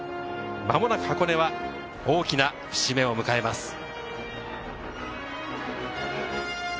間もなく箱根は大きな節目を迎えます。